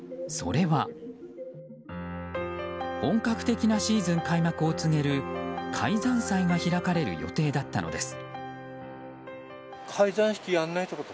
本格的なシーズン開幕を告げる開山祭が開かれる予定だったのです。